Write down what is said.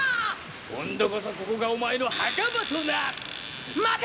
今度こそここがお前の墓場となる！